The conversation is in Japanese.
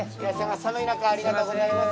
寒い中ありがとうございます。